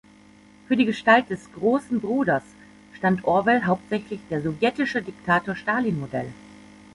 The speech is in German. Für die Gestalt des "Großen Bruders" stand Orwell hauptsächlich der sowjetische Diktator Stalin Modell.